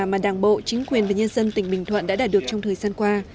mà đảng bộ chính quyền và nhân dân tỉnh bình thuận đã đạt được trong thời gian qua